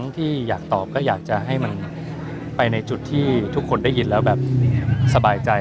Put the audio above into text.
ที่อยากตอบก็อยากจะให้มันไปในจุดที่ทุกคนได้ยินแล้วแบบสบายใจ